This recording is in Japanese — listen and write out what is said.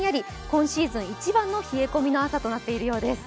今シーズン一番の冷え込みの朝となっているようです。